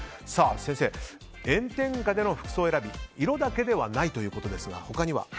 先生、炎天下での服装選び色だけではないということですが他には？